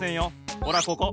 ほらここ！